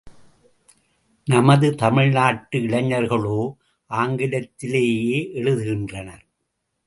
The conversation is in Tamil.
நமது தமிழ் நாட்டு இளைஞர்களோ ஆங்கிலத்திலேயே எழுதுகின்றனர்.